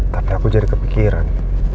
tapi aku jadi kepikiran